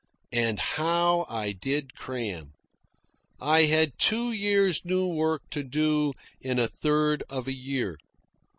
And how I did cram! I had two years' new work to do in a third of a year.